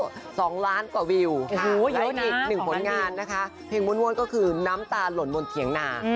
โอ้โหเยอะนะ๒ล้านวิวและอีกหนึ่งผลงานนะคะเพลงว้นก็คือน้ำตาหล่นบนเถียงหนา